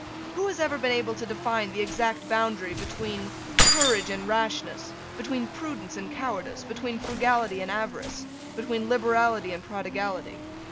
Who has ever been able to define the exact boundary between courage and rashness, between prudence and cowardice, between frugality and avarice, between liberality and prodigality?